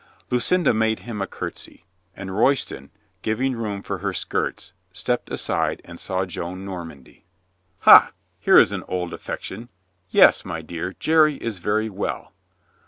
Lucinda made him a curtsy, and Royston, giv ing room for her skirts, stepped aside and saw Joan Normandy. "Ha, here is an old affection. Yes, my dear, Jerry is very well."